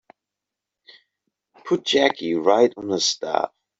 Put Jackie right on the staff.